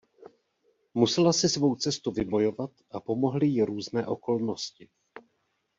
Musela si svou cestu vybojovat a pomohly jí různé okolnosti.